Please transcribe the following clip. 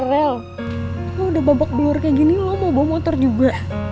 pak rel lu udah babak babak kayak gini lu mau bawa motor juga